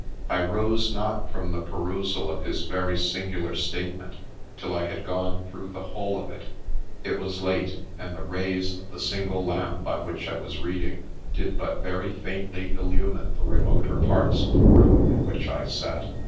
I rose not from the perusal of his very singular statement till I had gone through the whole of it. It was late, — and the rays of the single lamp by which I was reading did but very faintly illumine the remoter parts of the room in which I sat.